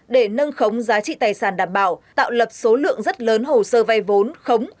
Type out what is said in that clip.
để nâng khống giá trị tài sản đảm bảo tạo lập số lượng rất lớn hồ sơ vay vốn khống